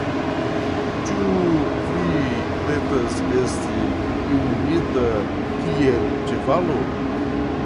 Ĉu vi pretas esti jungita kiel ĉevalo?